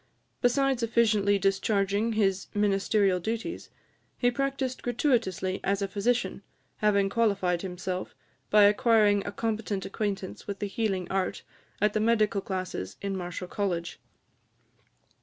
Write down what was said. Besides efficiently discharging his ministerial duties, he practised gratuitously as a physician, having qualified himself, by acquiring a competent acquaintance with the healing art at the medical classes in Marischal College.